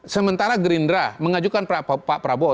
sementara gerindra mengajukan pak prabowo